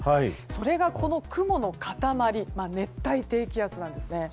それが、この雲の塊熱帯低気圧なんですね。